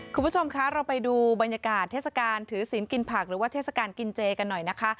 คุณผู้ชมคะเราไปดูบรรยากาศเทศกาลถือศีลกินผักหรือว่าเทศกาลกินเจกันหน่อยนะคะ